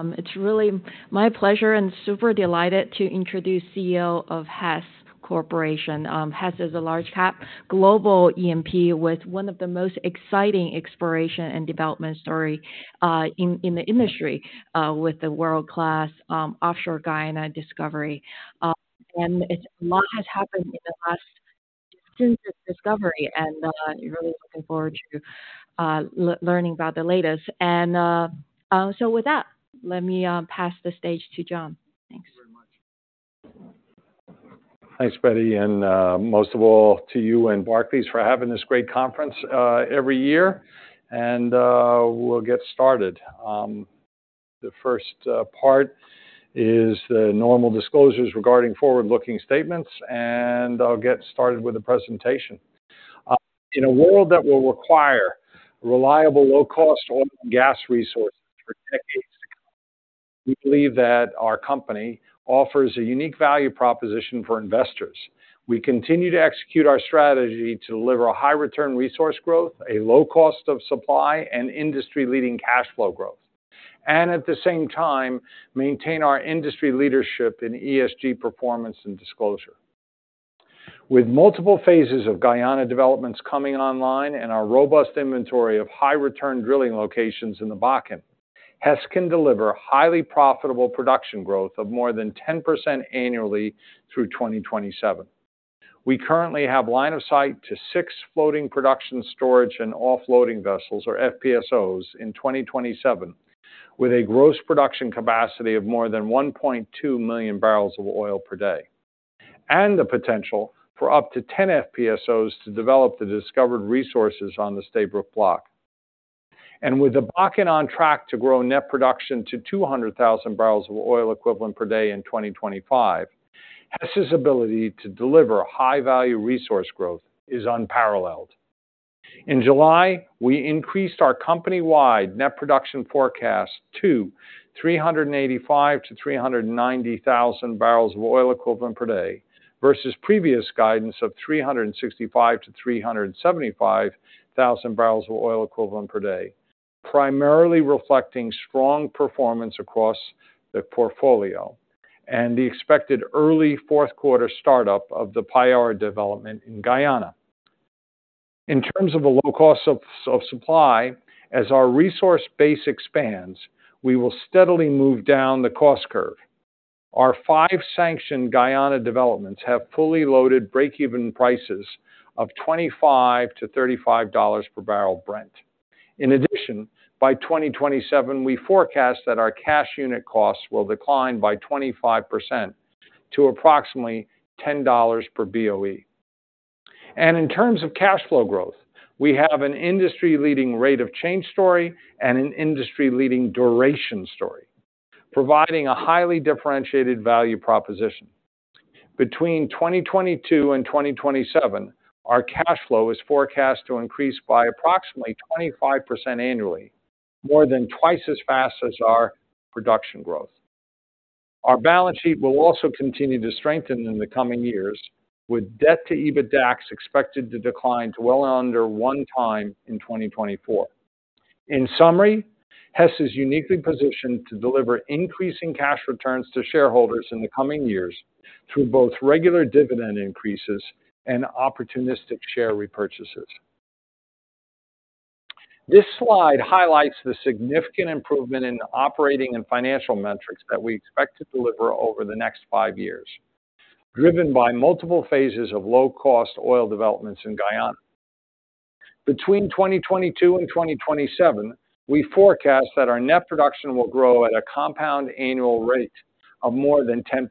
It's really my pleasure and super delighted to introduce Chief Executive Officer of Hess Corporation. Hess is a large cap, global E&P, with one of the most exciting exploration and development story in the industry, with the world-class offshore Guyana discovery. And a lot has happened since its discovery, and we're really looking forward to learning about the latest. So with that, let me pass the stage to John. Thanks. Thanks very much. Thanks, Betty, and, most of all to you and Barclays for having this great conference, every year, and, we'll get started. The first, part is the normal disclosures regarding forward-looking statements, and I'll get started with the presentation. In a world that will require reliable, low-cost oil and gas resources for decades to come, we believe that our company offers a unique value proposition for investors. We continue to execute our strategy to deliver a high return resource growth, a low cost of supply, and industry-leading cash flow growth. And at the same time, maintain our industry leadership in ESG performance and disclosure. With multiple phases of Guyana developments coming online and our robust inventory of high return drilling locations in the Bakken, Hess can deliver highly profitable production growth of more than 10% annually through 2027. We currently have line of sight to six floating production storage and offloading vessels, or FPSOs, in 2027, with a gross production capacity of more than 1.2 million bbl of oil per day, and the potential for up to 10 FPSOs to develop the discovered resources on the Stabroek Block. With the Bakken on track to grow net production to 200,000 bbl of oil equivalent per day in 2025, Hess's ability to deliver high-value resource growth is unparalleled. In July, we increased our company-wide net production forecast to 385-390 thousand bbl of oil equivalent per day, versus previous guidance of 365-375 thousand bbl of oil equivalent per day. Primarily reflecting strong performance across the portfolio and the expected early fourth quarter startup of the Payara development in Guyana. In terms of the low cost of supply, as our resource base expands, we will steadily move down the cost curve. Our five sanctioned Guyana developments have fully loaded break-even prices of $25-$35 per bbl Brent. In addition, by 2027, we forecast that our cash unit costs will decline by 25% to approximately $10 per BOE. And in terms of cash flow growth, we have an industry-leading rate of change story and an industry-leading duration story, providing a highly differentiated value proposition. Between 2022 and 2027, our cash flow is forecast to increase by approximately 25% annually, more than twice as fast as our production growth. Our balance sheet will also continue to strengthen in the coming years, with debt to EBITDAX expected to decline to well under 1x in 2024. In summary, Hess is uniquely positioned to deliver increasing cash returns to shareholders in the coming years through both regular dividend increases and opportunistic share repurchases. This slide highlights the significant improvement in the operating and financial metrics that we expect to deliver over the next five years, driven by multiple phases of low-cost oil developments in Guyana. Between 2022 and 2027, we forecast that our net production will grow at a compound annual rate of more than 10%,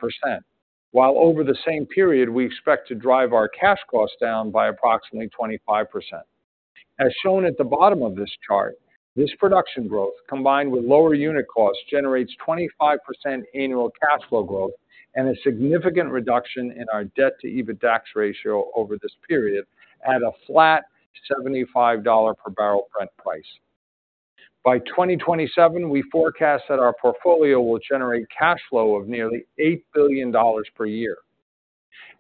while over the same period, we expect to drive our cash costs down by approximately 25%. As shown at the bottom of this chart, this production growth, combined with lower unit costs, generates 25% annual cash flow growth and a significant reduction in our debt to EBITDAX ratio over this period at a flat $75 per bbl Brent price. By 2027, we forecast that our portfolio will generate cash flow of nearly $8 billion per year.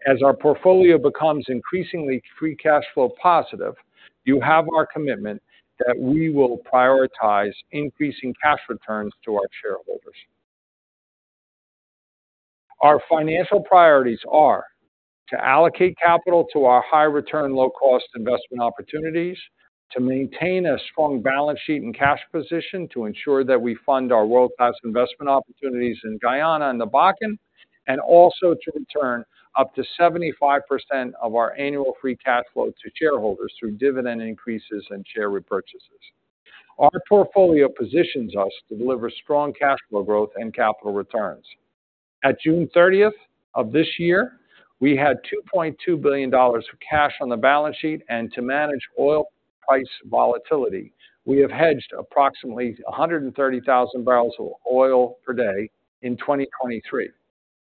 As our portfolio becomes increasingly free cash flow positive, you have our commitment that we will prioritize increasing cash returns to our shareholders. Our financial priorities are: to allocate capital to our high return, low cost investment opportunities, to maintain a strong balance sheet and cash position to ensure that we fund our world-class investment opportunities in Guyana and the Bakken, and also to return up to 75% of our annual free cash flow to shareholders through dividend increases and share repurchases. Our portfolio positions us to deliver strong cash flow growth and capital returns. At June 30th of this year, we had $2.2 billion of cash on the balance sheet, and to manage oil price volatility, we have hedged approximately 130,000 bbl of oil per day in 2023.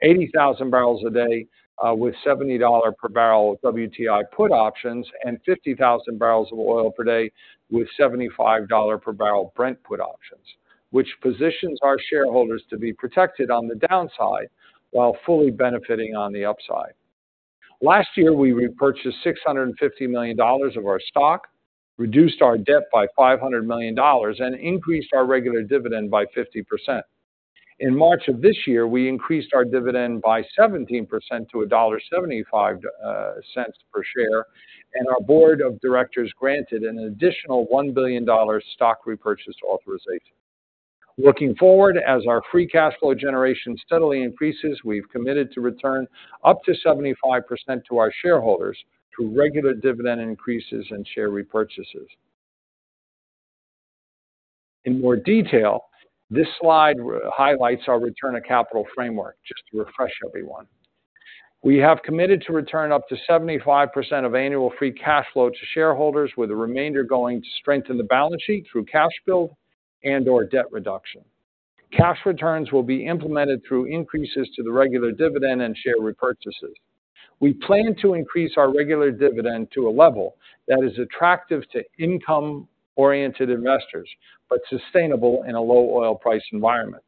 80,000 bbl a day with $70 per bbl WTI put options, and 50,000 bbl of oil per day with $75 per bbl Brent put options, which positions our shareholders to be protected on the downside while fully benefiting on the upside. Last year, we repurchased $650 million of our stock, reduced our debt by $500 million, and increased our regular dividend by 50%. In March of this year, we increased our dividend by 17% to $1.75 per share, and our board of directors granted an additional $1 billion stock repurchase authorization. Looking forward, as our free cash flow generation steadily increases, we've committed to return up to 75% to our shareholders through regular dividend increases and share repurchases. In more detail, this slide highlights our return of capital framework, just to refresh everyone. We have committed to return up to 75% of annual free cash flow to shareholders, with the remainder going to strengthen the balance sheet through cash build and/or debt reduction. Cash returns will be implemented through increases to the regular dividend and share repurchases. We plan to increase our regular dividend to a level that is attractive to income-oriented investors, but sustainable in a low oil price environment.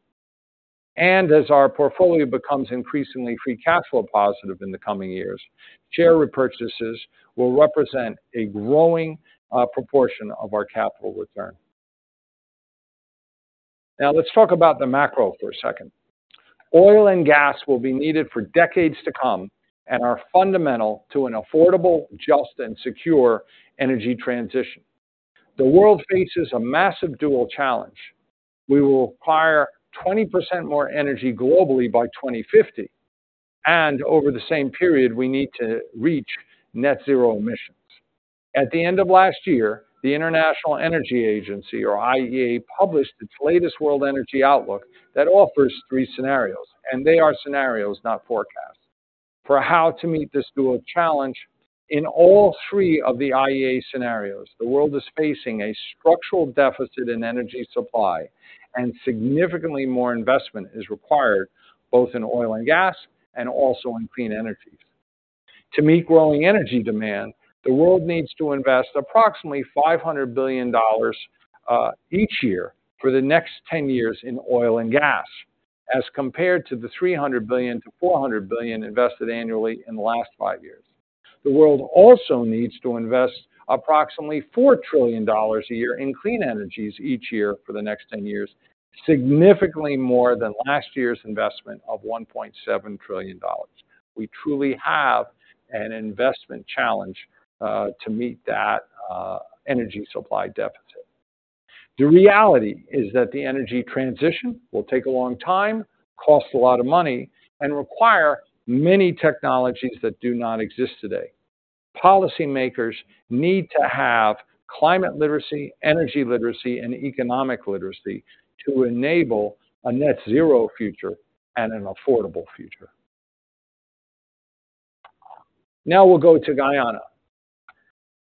As our portfolio becomes increasingly free cash flow positive in the coming years, share repurchases will represent a growing proportion of our capital return. Now, let's talk about the macro for a second. Oil and gas will be needed for decades to come and are fundamental to an affordable, just, and secure energy transition. The world faces a massive dual challenge. We will require 20% more energy globally by 2050, and over the same period, we need to reach Net Zero emissions. At the end of last year, the International Energy Agency, or IEA, published its latest World Energy Outlook that offers three scenarios, and they are scenarios, not forecasts. For how to meet this dual challenge, in all thre of the IEA scenarios, the world is facing a structural deficit in energy supply, and significantly more investment is required, both in oil and gas and also in clean energies. To meet growing energy demand, the world needs to invest approximately $500 billion each year for the next 10 years in oil and gas, as compared to the $300 billion-$400 billion invested annually in the last 5 years. The world also needs to invest approximately $4 trillion a year in clean energies each year for the next 10 years, significantly more than last year's investment of $1.7 trillion. We truly have an investment challenge to meet that energy supply deficit. The reality is that the energy transition will take a long time, cost a lot of money, and require many technologies that do not exist today. Policymakers need to have climate literacy, energy literacy, and economic literacy to enable a net zero future and an affordable future. Now we'll go to Guyana.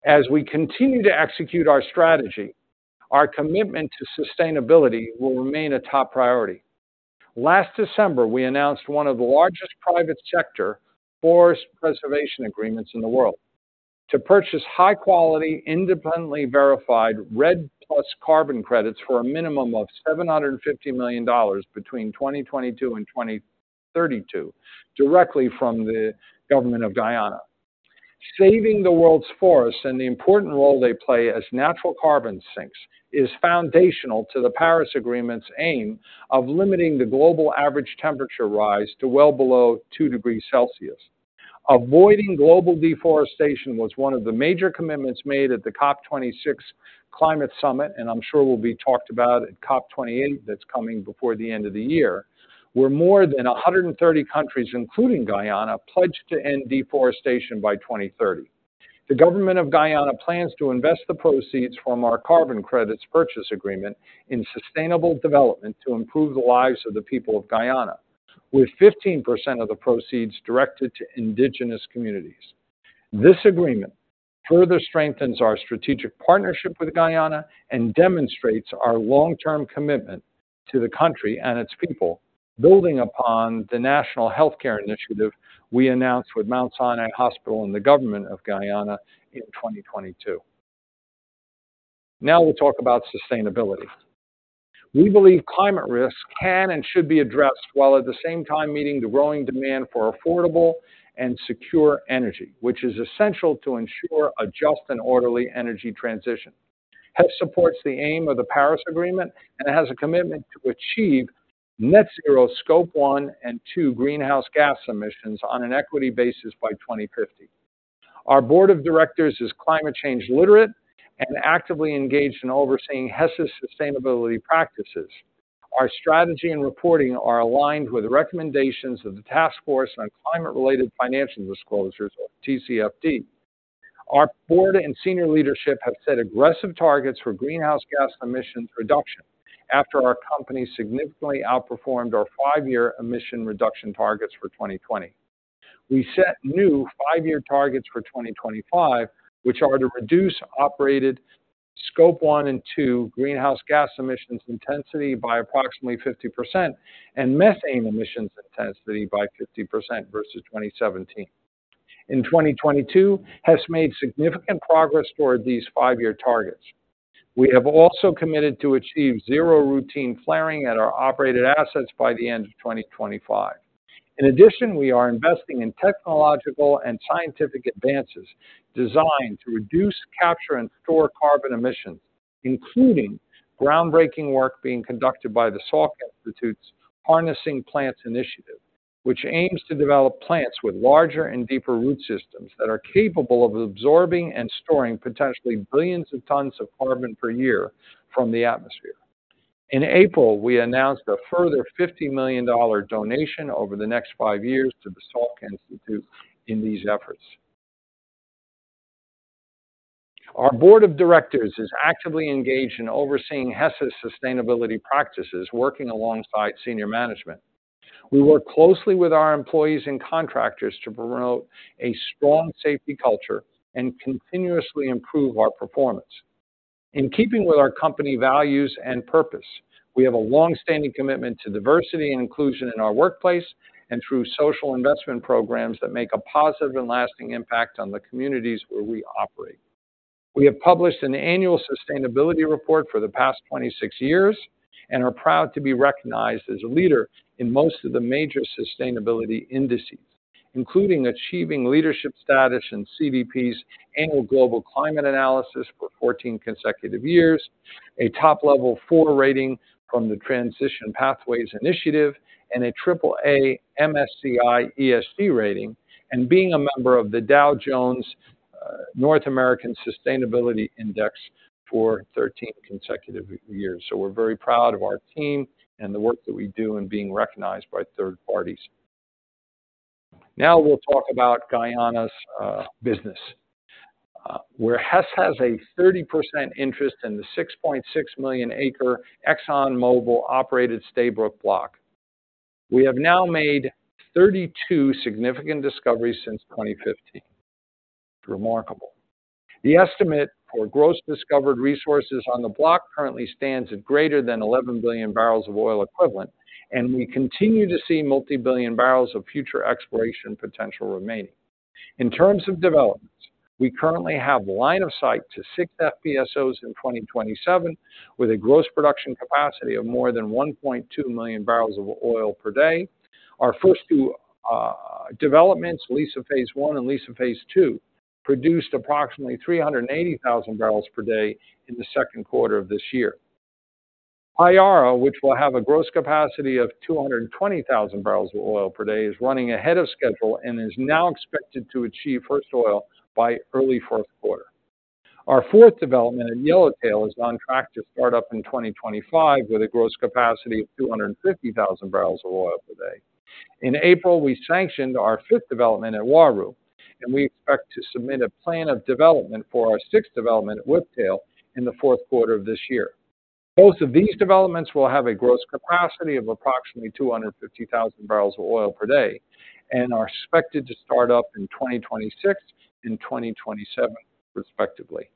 As we continue to execute our strategy, our commitment to sustainability will remain a top priority. Last December, we announced one of the largest private sector forest preservation agreements in the world to purchase high-quality, independently verified REDD+ carbon credits for a minimum of $750 million between 2022 and 2032, directly from the government of Guyana. Saving the world's forests and the important role they play as natural carbon sinks is foundational to the Paris Agreement's aim of limiting the global average temperature rise to well below 2 degrees Celsius. Avoiding global deforestation was one of the major commitments made at the COP26 climate summit, and I'm sure will be talked about at COP28, that's coming before the end of the year, where more than 130 countries, including Guyana, pledged to end deforestation by 2030. The government of Guyana plans to invest the proceeds from our carbon credits purchase agreement in sustainable development to improve the lives of the people of Guyana, with 15% of the proceeds directed to indigenous communities. This agreement further strengthens our strategic partnership with Guyana and demonstrates our long-term commitment to the country and its people, building upon the national healthcare initiative we announced with Mount Sinai Hospital and the government of Guyana in 2022. Now we'll talk about sustainability. We believe climate risk can and should be addressed, while at the same time meeting the growing demand for affordable and secure energy, which is essential to ensure a just and orderly energy transition. Hess supports the aim of the Paris Agreement and has a commitment to achieve net zero Scope 1 and 2 greenhouse gas emissions on an equity basis by 2050. Our board of directors is climate change literate and actively engaged in overseeing Hess's sustainability practices. Our strategy and reporting are aligned with the recommendations of the Task Force on Climate-Related Financial Disclosures, or TCFD. Our board and senior leadership have set aggressive targets for greenhouse gas emissions reduction after our company significantly outperformed our five-year emission reduction targets for 2020. We set new five-year targets for 2025, which are to reduce operated Scope 1 and 2 greenhouse gas emissions intensity by approximately 50% and methane emissions intensity by 50% versus 2017. In 2022, Hess made significant progress toward these five-year targets.. We have also committed to achieve zero routine flaring at our operated assets by the end of 2025. In addition, we are investing in technological and scientific advances designed to reduce, capture, and store carbon emissions, including groundbreaking work being conducted by the Salk Institute's Harnessing Plants Initiative, which aims to develop plants with larger and deeper root systems that are capable of absorbing and storing potentially billions of tons of carbon per year from the atmosphere. In April, we announced a further $50 million donation over the next five years to the Salk Institute in these efforts. Our board of directors is actively engaged in overseeing Hess's sustainability practices, working alongside senior management. We work closely with our employees and contractors to promote a strong safety culture and continuously improve our performance. In keeping with our company values and purpose, we have a long-standing commitment to diversity and inclusion in our workplace and through social investment programs that make a positive and lasting impact on the communities where we operate. We have published an annual sustainability report for the past 26 years and are proud to be recognized as a leader in most of the major sustainability indices, including achieving leadership status in CDP's annual global climate analysis for 14 consecutive years, a top-level four rating from the Transition Pathway Initiative, and a AAA MSCI ESG rating, and being a member of the Dow Jones Sustainability North America Index for 13 consecutive years. So we're very proud of our team and the work that we do in being recognized by third parties. Now we'll talk about Guyana's business. Where Hess has a 30% interest in the 6.6 million-acre ExxonMobil-operated Stabroek Block. We have now made 32 significant discoveries since 2015. Remarkable. The estimate for gross discovered resources on the block currently stands at greater than 11 billion bbl of oil equivalent, and we continue to see multi-billion bbl of future exploration potential remaining. In terms of developments, we currently have line of sight to 6 FPSOs in 2027, with a gross production capacity of more than 1.2 million bbl of oil per day. Our first two developments, Liza Phase 1 and Liza Phase 2, produced approximately 380,000 bbl per day in the second quarter of this year. Payara, which will have a gross capacity of 220,000 bbl of oil per day, is running ahead of schedule and is now expected to achieve first oil by early fourth quarter. Our fourth development at Yellowtail is on track to start up in 2025 with a gross capacity of 250,000 bbl of oil per day. In April, we sanctioned our fifth development at Uaru, and we expect to submit a plan of development for our sixth development at Whiptail in the fourth quarter of this year. Both of these developments will have a gross capacity of approximately 250,000 bbl of oil per day and are expected to start up in 2026 and 2027, respectively.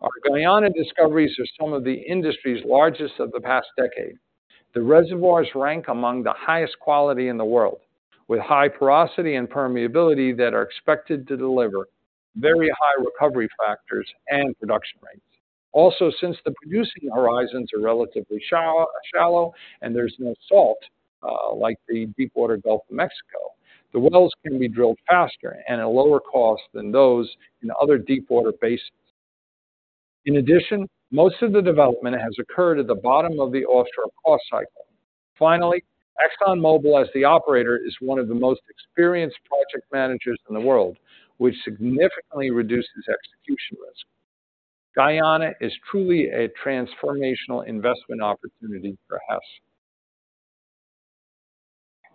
Our Guyana discoveries are some of the industry's largest of the past decade. The reservoirs rank among the highest quality in the world, with high porosity and permeability that are expected to deliver very high recovery factors and production rates. Also, since the producing horizons are relatively shallow, and there's no salt, like the Deepwater Gulf of Mexico, the wells can be drilled faster and at a lower cost than those in other deepwater basins. In addition, most of the development has occurred at the bottom of the offshore cost cycle. Finally, ExxonMobil, as the operator, is one of the most experienced project managers in the world, which significantly reduces execution risk. Guyana is truly a transformational investment opportunity for Hess.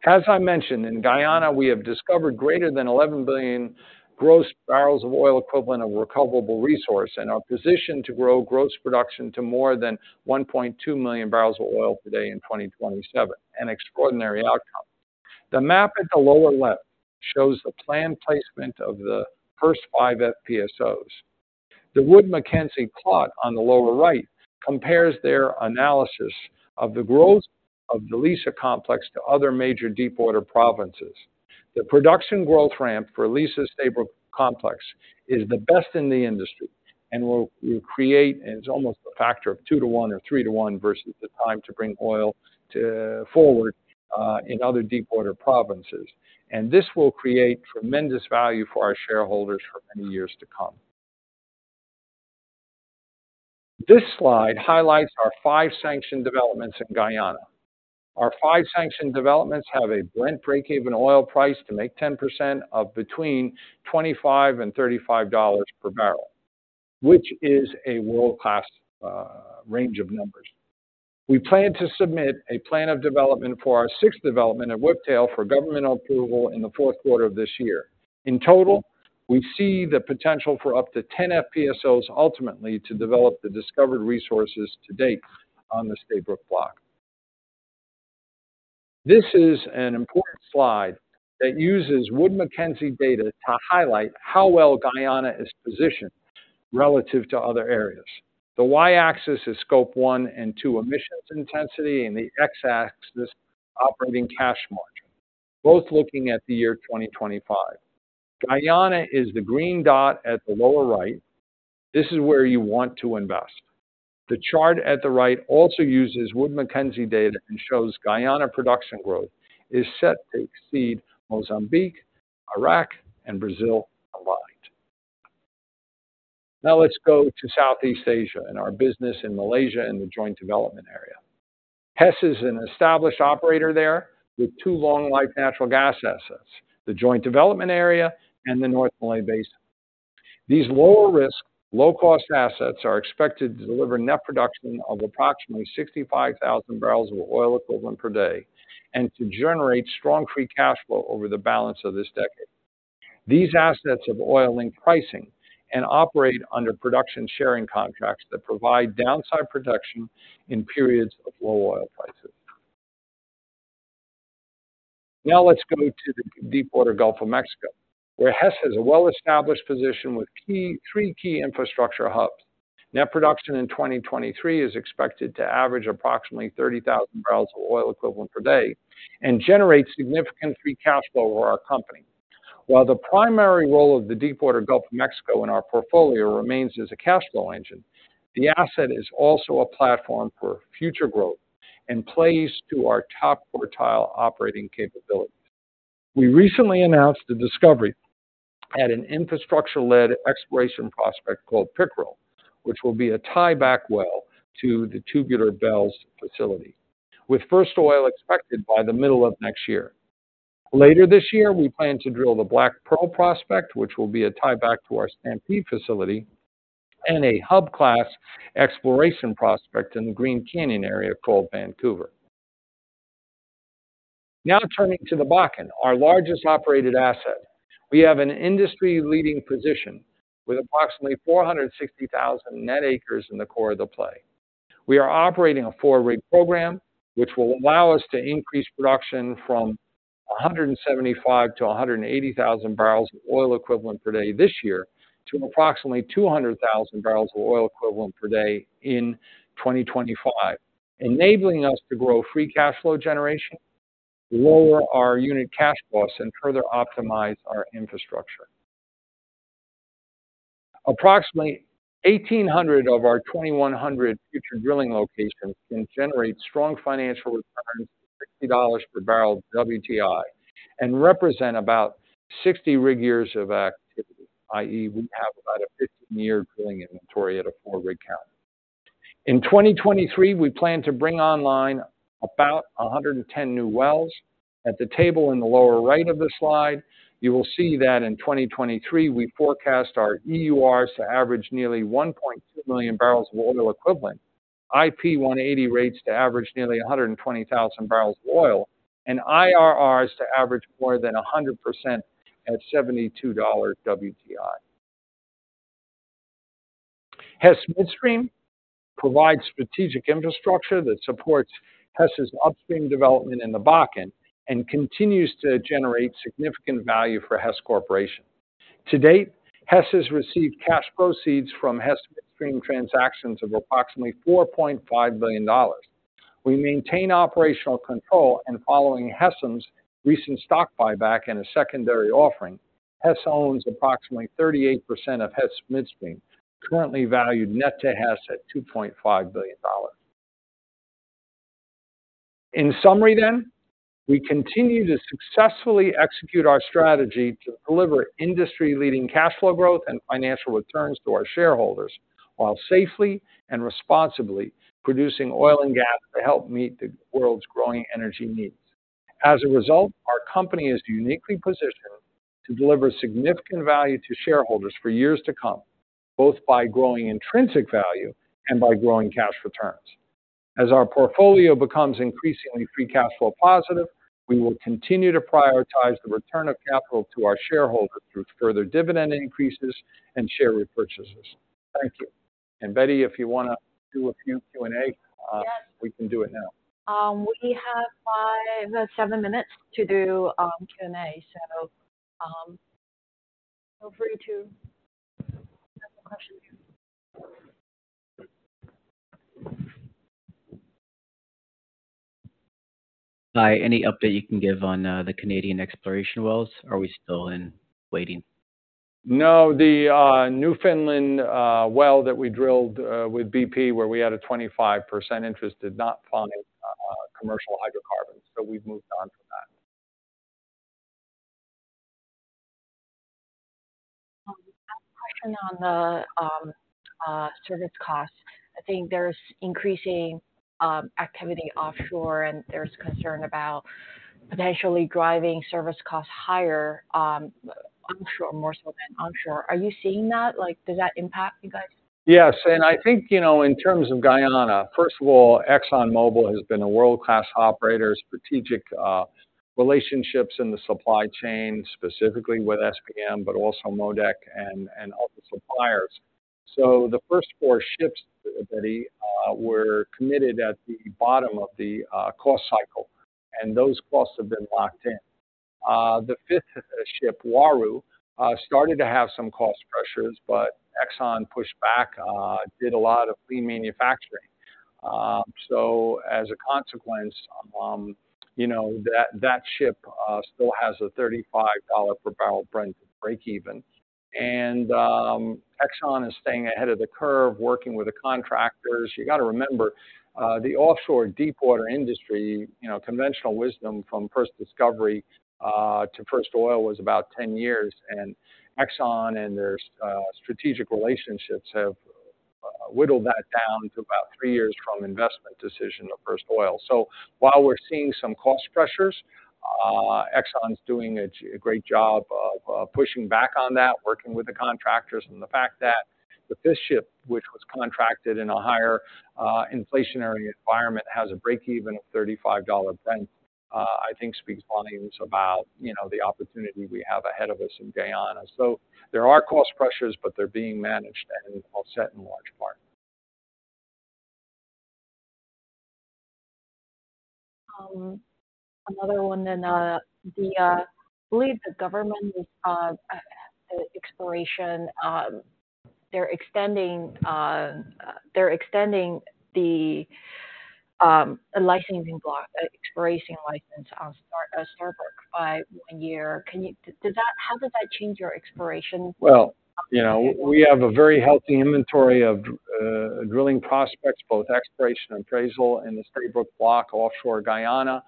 As I mentioned, in Guyana, we have discovered greater than 11 billion gross bbl of oil equivalent of recoverable resource and are positioned to grow gross production to more than 1.2 million bbl of oil per day in 2027, an extraordinary outcome. The map at the lower left shows the planned placement of the first five FPSOs. The Wood Mackenzie plot on the lower right compares their analysis of the growth of the Liza complex to other major deepwater provinces. The production growth ramp for Liza's Stabroek Complex is the best in the industry and will create... It's almost a factor of 2-to-1 or 3-to-1 versus the time to bring oil to forward, in other deepwater provinces. And this will create tremendous value for our shareholders for many years to come. This slide highlights our five sanctioned developments in Guyana. Our five sanctioned developments have a blend breakeven oil price to make 10% of between $25 and $35 per bbl, which is a world-class range of numbers. We plan to submit a plan of development for our sixth development at Whiptail for governmental approval in the fourth quarter of this year. In total, we see the potential for up to 10 FPSOs ultimately to develop the discovered resources to date on the Stabroek Block. This is an important slide that uses Wood Mackenzie data to highlight how well Guyana is positioned... relative to other areas. The Y-axis is Scope 1 and 2 emissions intensity, and the X-axis, operating cash margin, both looking at the year 2025. Guyana is the green dot at the lower right. This is where you want to invest. The chart at the right also uses Wood Mackenzie data and shows Guyana production growth is set to exceed Mozambique, Iraq, and Brazil aligned. Now let's go to Southeast Asia and our business in Malaysia in the Joint Development Area. Hess is an established operator there with two long-life natural gas assets, the Joint Development Area and the North Malay Basin. These lower risk, low-cost assets are expected to deliver net production of approximately 65,000 bbls of oil equivalent per day, and to generate strong free cash flow over the balance of this decade. These assets have oil link pricing and operate under production sharing contracts that provide downside protection in periods of low oil prices. Now, let's go to the Deepwater Gulf of Mexico, where Hess has a well-established position with three key infrastructure hubs. Net production in 2023 is expected to average approximately 30,000 bbls of oil equivalent per day and generate significant free cash flow for our company. While the primary role of the Deepwater Gulf of Mexico in our portfolio remains as a cash flow engine, the asset is also a platform for future growth and plays to our top quartile operating capabilities. We recently announced the discovery at an infrastructure-led exploration prospect called Pickerel, which will be a tieback well to the Tubular Bells facility, with first oil expected by the middle of next year. Later this year, we plan to drill the Black Pearl prospect, which will be a tieback to our Stampede facility, and a hub class exploration prospect in the Green Canyon area called Vancouver. Now, turning to the Bakken, our largest operated asset. We have an industry-leading position with approximately 460,000 net acres in the core of the play. We are operating a 4-rig program, which will allow us to increase production from 175,000 to 180,000 bbls of oil equivalent per day this year to approximately 200,000 bbls of oil equivalent per day in 2025, enabling us to grow free cash flow generation, lower our unit cash costs, and further optimize our infrastructure. Approximately 1,800 of our 2,100 future drilling locations can generate strong financial returns, $60 per bbl WTI, and represent about 60 rig years of activity, i.e., we have about a 15-year drilling inventory at a 4-rig count. In 2023, we plan to bring online about 110 new wells. At the table in the lower right of the slide, you will see that in 2023, we forecast our EURs to average nearly 1.2 million bbls of oil equivalent, IP180 rates to average nearly 120,000 bbls of oil, and IRRs to average more than 100% at $72 WTI. Hess Midstream provides strategic infrastructure that supports Hess's upstream development in the Bakken and continues to generate significant value for Hess Corporation. To date, Hess has received cash proceeds from Hess Midstream transactions of approximately $4.5 billion. We maintain operational control, and following Hess Midstream's recent stock buyback and a secondary offering, Hess owns approximately 38% of Hess Midstream, currently valued net to Hess at $2.5 billion. In summary then, we continue to successfully execute our strategy to deliver industry-leading cash flow growth and financial returns to our shareholders, while safely and responsibly producing oil and gas to help meet the world's growing energy needs. As a result, our company is uniquely positioned to deliver significant value to shareholders for years to come, both by growing intrinsic value and by growing cash returns. As our portfolio becomes increasingly free cash flow positive, we will continue to prioritize the return of capital to our shareholders through further dividend increases and share repurchases. Thank you. And Betty, if you wanna do a few Q&A. Yes. We can do it now. We have 5, 7 minutes to do Q&A, so feel free to have a question. Hi, any update you can give on, the Canadian exploration wells? Are we still in waiting? No, the Newfoundland well that we drilled with BP, where we had a 25% interest, did not find commercial hydrocarbons, so we've moved on from that. I have a question on the service costs. I think there's increasing activity offshore, and there's concern about potentially driving service costs higher, onshore more so than offshore. Are you seeing that? Like, does that impact you guys? Yes, and I think, you know, in terms of Guyana, first of all, ExxonMobil has been a world-class operator, strategic relationships in the supply chain, specifically with SBM, but also MODEC and other suppliers. So the first four ships, Betty, were committed at the bottom of the cost cycle, and those costs have been locked in. The fifth ship, Uaru, started to have some cost pressures, but Exxon pushed back, did a lot of pre-manufacturing. So as a consequence, you know, that ship still has a $35 per bbl breakeven. And Exxon is staying ahead of the curve, working with the contractors. You got to remember, the offshore deepwater industry, you know, conventional wisdom from first discovery to first oil was about 10 years, and Exxon and their strategic relationships have whittled that down to about 3 years from investment decision to first oil. So while we're seeing some cost pressures, Exxon's doing a great job of pushing back on that, working with the contractors. And the fact that the fifth ship, which was contracted in a higher inflationary environment, has a breakeven of $35 Brent, I think speaks volumes about, you know, the opportunity we have ahead of us in Guyana. So there are cost pressures, but they're being managed and offset in large part. Another one, then, I believe the government is extending the exploration license on Stabroek by one year. How does that change your exploration? Well, you know, we have a very healthy inventory of drilling prospects, both exploration and appraisal, in the Stabroek Block offshore Guyana.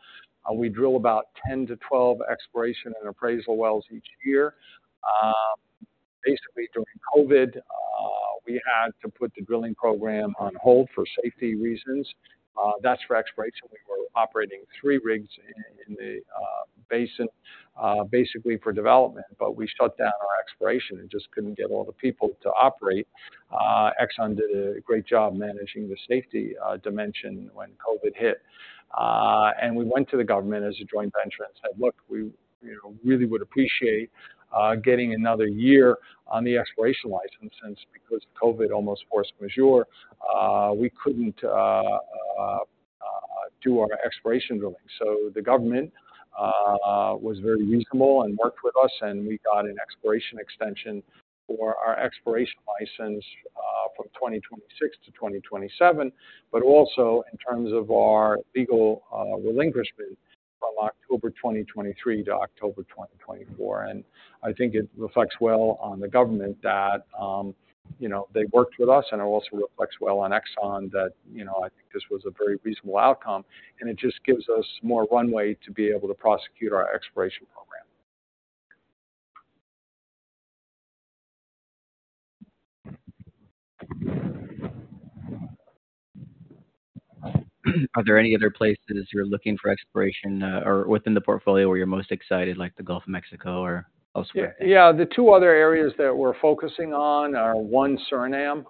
We drill about 10-12 exploration and appraisal wells each year. Basically, during COVID, we had to put the drilling program on hold for safety reasons. That's for exploration. We were operating 3 rigs in the basin, basically for development, but we shut down our exploration and just couldn't get all the people to operate. Exxon did a great job managing the safety dimension when COVID hit. And we went to the government as a joint venture and said, "Look, we, you know, really would appreciate getting another year on the exploration license, since because of COVID, almost force majeure, we couldn't do our exploration drilling." So the government was very reasonable and worked with us, and we got an exploration extension for our exploration license from 2026 to 2027, but also in terms of our legal relinquishment from October 2023 to October 2024. And I think it reflects well on the government that, you know, they worked with us, and it also reflects well on Exxon that, you know, I think this was a very reasonable outcome, and it just gives us more runway to be able to prosecute our exploration program. Are there any other places you're looking for exploration, or within the portfolio where you're most excited, like the Gulf of Mexico or elsewhere? Yeah. Yeah, the two other areas that we're focusing on are, one, Suriname,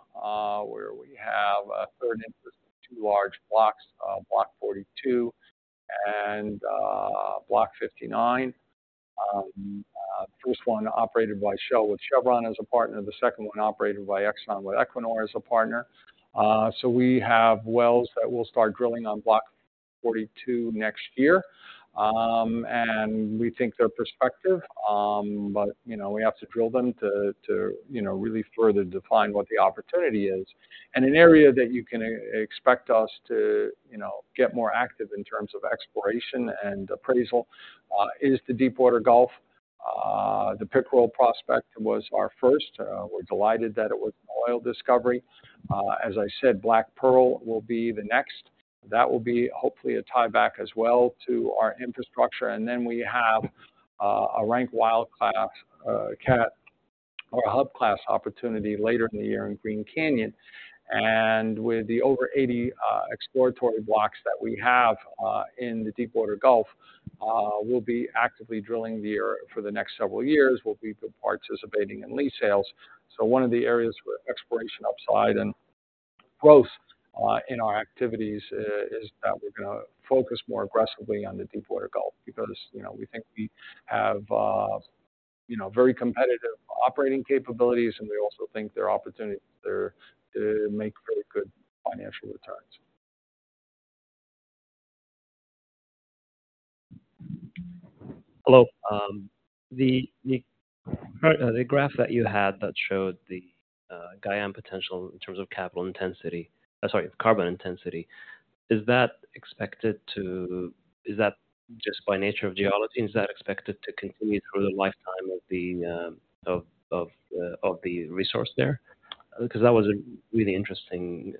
where we have a third interest in two large blocks, Block 42 and, Block 59. First one operated by Shell with Chevron as a partner, the second one operated by Exxon, with Equinor as a partner. So we have wells that we'll start drilling on Block 42 next year. And we think they're prospective, but, you know, we have to drill them to, you know, really further define what the opportunity is. And an area that you can expect us to, you know, get more active in terms of exploration and appraisal, is the Deepwater Gulf. The Pickrell prospect was our first. We're delighted that it was an oil discovery. As I said, Black Pearl will be the next. That will be hopefully a tieback as well to our infrastructure. Then we have a rank wildcat or a hub class opportunity later in the year in Green Canyon. With the over 80 exploratory blocks that we have in the Deepwater Gulf, we'll be actively drilling the area for the next several years. We'll be participating in lease sales. One of the areas with exploration upside and growth in our activities is that we're gonna focus more aggressively on the Deepwater Gulf, because, you know, we think we have you know, very competitive operating capabilities, and we also think there are opportunities there to make very good financial returns. Hello. The graph that you had that showed the Guyana potential in terms of capital intensity, sorry, carbon intensity, is that expected to... Is that just by nature of geology? Is that expected to continue through the lifetime of the resource there? Because that was a really interesting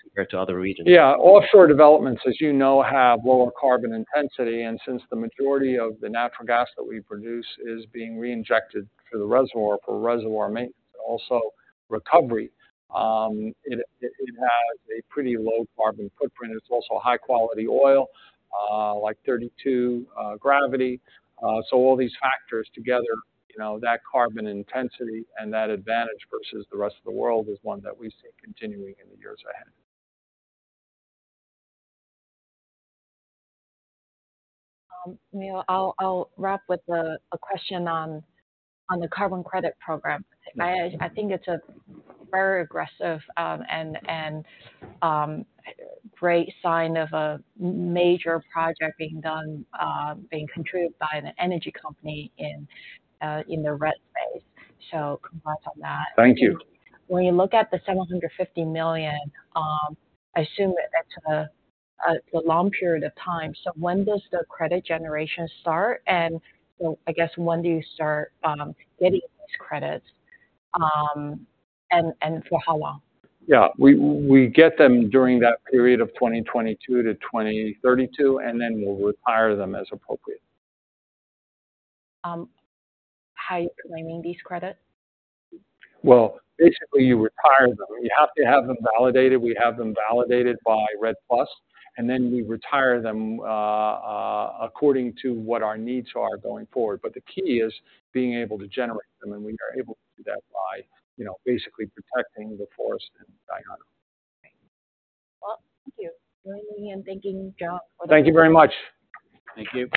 compared to other regions. Yeah, offshore developments, as you know, have lower carbon intensity, and since the majority of the natural gas that we produce is being reinjected for the reservoir, for reservoir maintenance, also recovery, it has a pretty low carbon footprint. It's also high-quality oil, like 32 gravity. So all these factors together, you know, that carbon intensity and that advantage versus the rest of the world, is one that we see continuing in the years ahead. Now, I'll wrap with a question on the carbon credit program. I think it's a very aggressive and great sign of a major project being done, being contributed by an energy company in the rent space. So congrats on that. Thank you. When you look at the $750 million, I assume that that's a long period of time. So when does the credit generation start? And so I guess, when do you start getting these credits? And for how long? Yeah, we get them during that period of 2022 to 2032, and then we'll retire them as appropriate. How are you claiming these credits? Well, basically, you retire them. You have to have them validated. We have them validated by REDD+, and then we retire them according to what our needs are going forward. But the key is being able to generate them, and we are able to do that by, you know, basically protecting the forest in Guyana. Well, thank you. Let me end thanking John Thank you very much. Thank you.